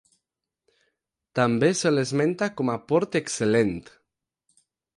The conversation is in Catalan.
També se l'esmenta com a port excel·lent.